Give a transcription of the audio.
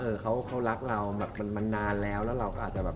เออเขาเขารักเราแบบมันนานแล้วแล้วเราก็อาจจะแบบ